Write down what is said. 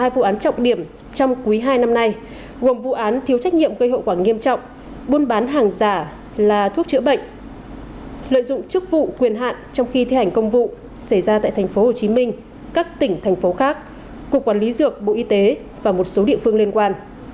vụ án đưa hối lộ nhận hối lộ buôn bán hàng giả thuốc chữa bệnh lợi dụng chức vụ quyền hạn trong khi thi hành công vụ xảy ra tại tp hcm các tỉnh thành phố khác cục quản lý dược bộ y tế và một số địa phương liên quan